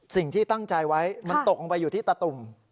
สิ่งที่ตั้งใจไว้มันตกลงไปอยู่ที่ตะตุ่ม